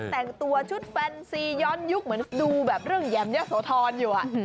แต่งตัวชุดแฟนซีย้อนยุคเหมือนดูแบบเรื่องแยมเยอะโสธรอยู่